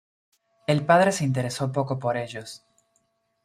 El padre se interesó poco por ellos.